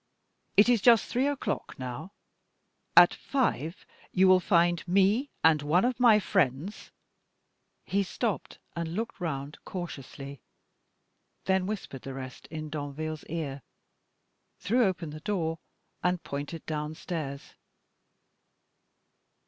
It is just three o'clock now; at five you will find me and one of my friends " He stopped, and looked round cautiously then whispered the rest in Danville's ear threw open the door, and pointed downstairs.